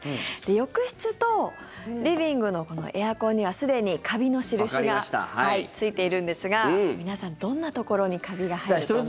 浴室とリビングのエアコンにはすでにカビの印がついているんですが皆さん、どんなところにカビが生えると思いますか？